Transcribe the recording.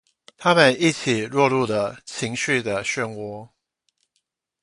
他們一起落入了情緒的旋渦